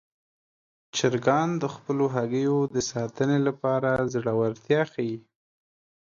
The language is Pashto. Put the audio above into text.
چرګان د خپلو هګیو د ساتنې لپاره زړورتیا ښيي.